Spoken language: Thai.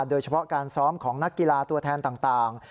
โดยเฉพาะการซ้อมของนักกีฬาตัวแทนต่าง